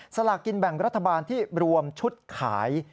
สลากกินแบ่งรัฐบาลที่รวมชุดขาย